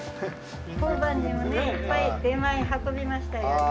交番にもねいっぱい出前運びましたよね。